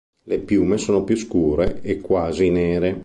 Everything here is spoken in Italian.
Le piume sono più scure e quasi nere.